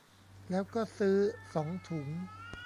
แล้วก็ซื้อสองถุง